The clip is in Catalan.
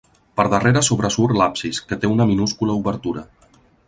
Per darrere sobresurt l'absis, que té una minúscula obertura.